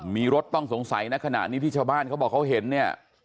มีรถต้องสงสัยในขณะนี้ที่ชาวบ้านเขาบอกเขาเห็นเนี่ย